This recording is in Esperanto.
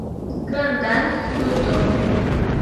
Grandan ludon.